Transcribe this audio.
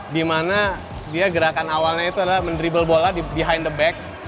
dimana dia gerakan awalnya itu adalah mendribble bola di behind the back